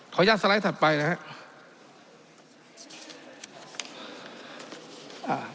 อนุญาตสไลด์ถัดไปนะครับ